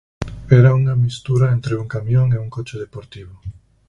Era unha mestura entre un camión e un coche deportivo.